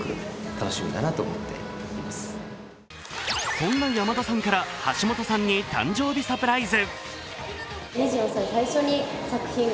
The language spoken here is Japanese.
そんな山田さんから橋本さんに誕生日サプライズ。